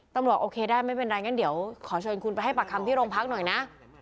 โอเคได้ไม่เป็นไรงั้นเดี๋ยวขอเชิญคุณไปให้ปากคำที่โรงพักหน่อยนะ